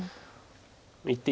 一手